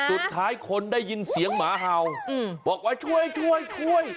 สุดท้ายคนได้ยินเสียงหมาเห่าบอกว่าช่วยช่วย